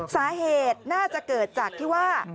สาเหตุน่าจะเกิดจากที่ว่า